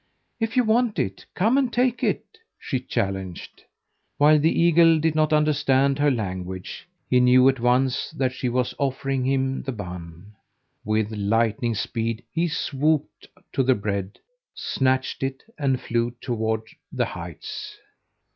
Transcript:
"If you want it, come and take it!" she challenged. While the eagle did not understand her language, he knew at once that she was offering him the bun. With lightning speed, he swooped to the bread, snatched it, and flew toward the heights.